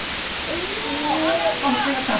おおっ持ち上がった！